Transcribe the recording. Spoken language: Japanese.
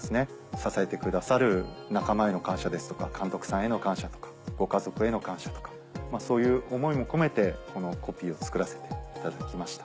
支えてくださる仲間への感謝ですとか監督さんへの感謝とかご家族への感謝とかそういう思いも込めてこのコピーを作らせていただきました。